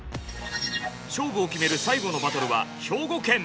勝負を決める最後のバトルは兵庫県。